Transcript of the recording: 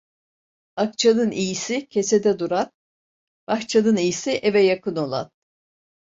Akçanın iyisi kesede duran, bahçanın iyisi eve yakın olan.